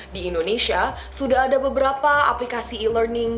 di indonesia sudah ada beberapa aplikasi e learning